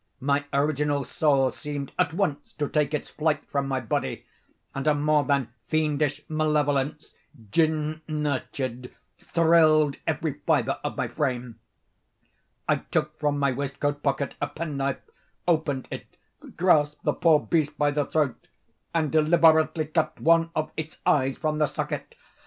My original soul seemed, at once, to take its flight from my body and a more than fiendish malevolence, gin nurtured, thrilled every fibre of my frame. I took from my waistcoat pocket a pen knife, opened it, grasped the poor beast by the throat, and deliberately cut one of its eyes from the socket!